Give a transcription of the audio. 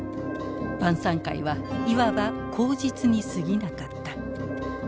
晩餐会はいわば口実にすぎなかった。